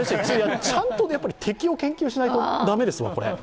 ちゃんと敵を研究しないと駄目ですよ。